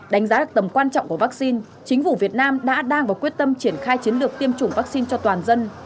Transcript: đánh giá được tầm quan trọng của vaccine chính phủ việt nam đã đang và quyết tâm triển khai chiến lược tiêm chủng vaccine cho toàn dân